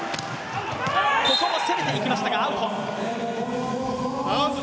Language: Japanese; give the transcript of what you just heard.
攻めていきましたが、アウト。